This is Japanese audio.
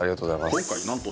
今回なんと。